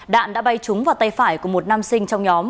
đạn đã bay trúng vào tay phải của một nam sinh trong nhóm